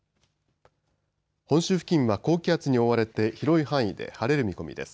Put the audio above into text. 本州付近は高気圧に覆われて広い範囲で晴れる見込みです。